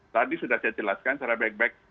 tadi sudah saya jelaskan secara baik baik